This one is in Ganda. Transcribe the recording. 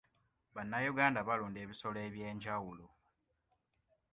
Bannayuganda balunda ebisolo eby'enjawulo.